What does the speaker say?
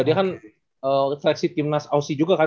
dia kan seleksi timnas auc juga kan